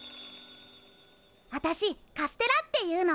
あたしカステラっていうの。